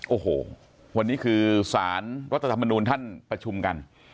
โอ้โหวันนี้คือสารรัฐธรรมนูลท่านประชุมกัน